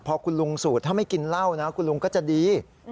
พอคุณลุงสูดถ้าไม่กินเหล้านะคุณลุงก็จะดี